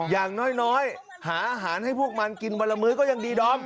อย่างน้อยหาอาหารให้พวกมันกินวันละมื้อก็ยังดีดอม